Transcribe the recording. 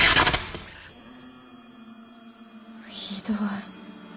ひどい。